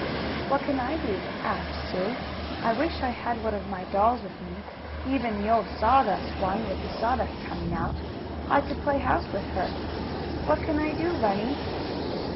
"What can I do?" asked Sue. "I wish I had one of my dolls with me even the old sawdust one, with the sawdust coming out. I could play house with her. What can I do, Bunny?"